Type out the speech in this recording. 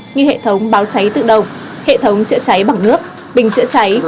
như hệ thống báo cháy tự động hệ thống chữa cháy bằng nước bình chữa cháy